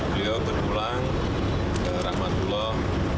beliau berpulang ke rahmatuloh